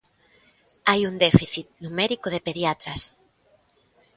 Hai un déficit numérico de pediatras.